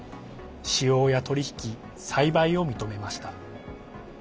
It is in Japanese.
使用や取り引き、栽培を認めました。